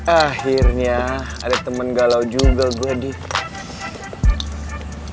akhirnya ada temen galau juga gue div